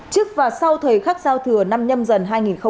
trước và sau thời khắc giao thừa năm nhâm dần hai nghìn hai mươi